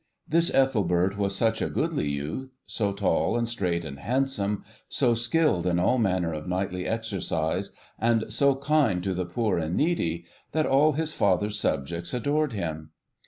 This Ethelbert was such a goodly youth, so tall and straight and handsome, so skilled in all manner of knightly exercises, and so kind to the poor and needy, that all his father's subjects adored him.